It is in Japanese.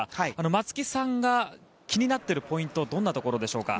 松木さんが気になっているポイントはどんなところでしょうか？